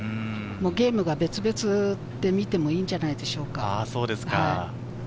ゲームを別々で見てもいいんじゃないでしょうか。